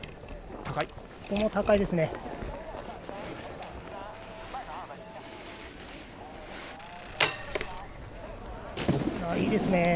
いいですね。